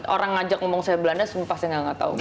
orang ngajak ngomong saya belanda sumpah saya gak tau